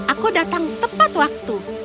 aku datang tepat waktu